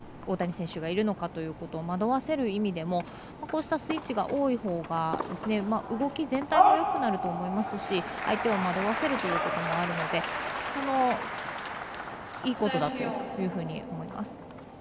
相手ペアにどちらのサイドに上地選手、大谷選手がいるのかということを惑わせる意味でもこうしたスイッチが多いほうが動き全体もよくなると思いますし相手を惑わせるということもあるのでいいことだと思います。